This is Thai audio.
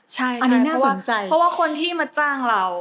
ใช่เพราะว่าคนที่มาจ้างเรา